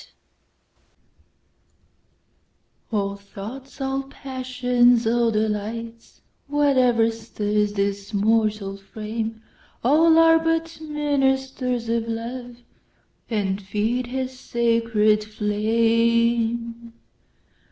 Love ALL thoughts, all passions, all delights, Whatever stirs this mortal frame, All are but ministers of Love, And feed his sacred flame.